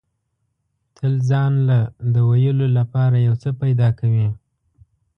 تل ځان له د ویلو لپاره یو څه پیدا کوي.